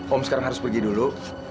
om sekarang harus pergi dulu